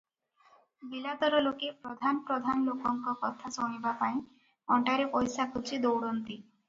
ବିଲାତର ଲୋକେ ପ୍ରଧାନ ପ୍ରଧାନ ଲୋକଙ୍କ କଥା ଶୁଣିବାପାଇଁ ଅଣ୍ଟାରେ ପଇସା ଖୋସି ଦଉଡ଼ନ୍ତି ।